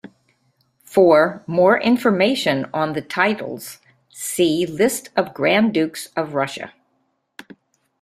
For more information on the titles, see List of Grand Dukes of Russia.